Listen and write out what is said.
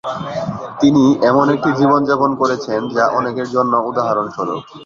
তিনি এমন একটি জীবনযাপন করেছেন যা অনেকের জন্য উদাহরণ স্বরূপ।